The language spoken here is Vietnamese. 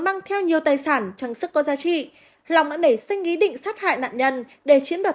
mang theo nhiều tài sản trang sức có giá trị long đã nảy sinh ý định sát hại nạn nhân để chiếm đoạt